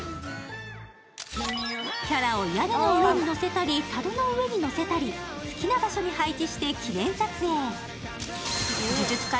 キャラを屋根の上に乗せたり、たるの上に乗せたり、好きな場所に配置して記念撮影。